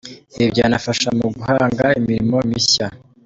Ibi byanafasha mu guhanga imirimo mishya.